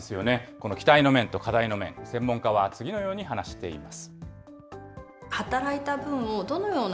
この期待の面と課題の面、専門家は次のように話しています。